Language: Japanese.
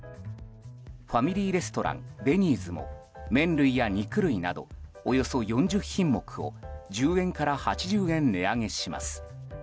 ファミリーレストランデニーズも、麺類や肉類などおよそ４０品目を１０円から８０円値上げします。